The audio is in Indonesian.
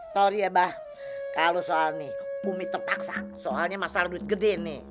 sorry ya bah kalau soal nih bumi terpaksa soalnya masalah duit gede nih